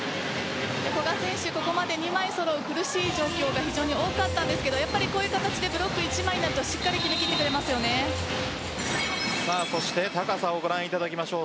古賀選手、ここまで２枚揃う苦しい状況が非常に多かったんですけどこういう形でブロック１枚だと高さをご覧いただきましょう。